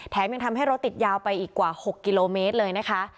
ยังทำให้รถติดยาวไปอีกกว่า๖กิโลเมตรเลยนะคะ